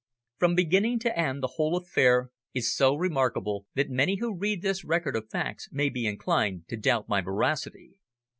From beginning to end the whole affair is so remarkable that many who read this record of facts may be inclined to doubt my veracity.